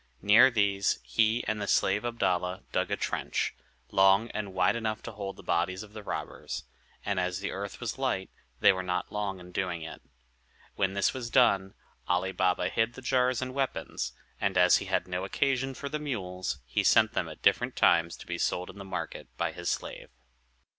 Near these he and the slave Abdalla dug a trench, long and wide enough to hold the bodies of the robbers; and as the earth was light, they were not long in doing it. When this was done, Ali Baba hid the jars and weapons; and as he had no occasion for the mules, he sent them at different times to be sold in the market by his slave.